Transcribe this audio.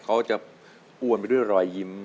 เขาจะอ้วนไปด้วยรอยยิ้ม